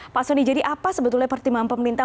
pak soni jadi apa sebetulnya pertimbangan pemerintah